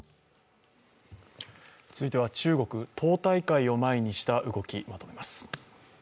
続いては中国・党大会を前にした動き、まとめます。